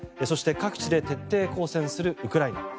そして、各地で徹底抗戦するウクライナ。